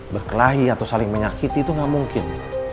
berkelahi atau saling menyakiti tuh gak mungkin